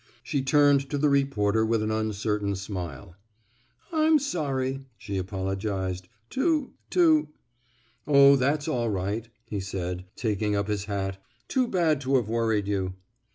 She turned to the reporter with an uncertain smile. I'm sorry, '* she apologized, '* to — to —Oh, that's all right," he said, taking up his hat. Too bad to have worried you."